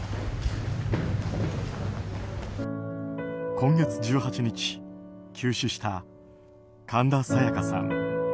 今月１８日、急死した神田沙也加さん。